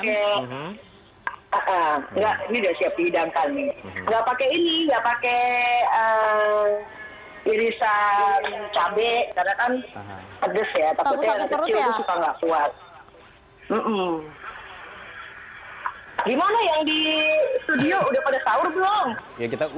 mungkin sambil diaduk kali ya